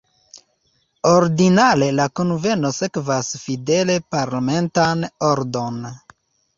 Ordinare la kunveno sekvas fidele parlamentan ordon.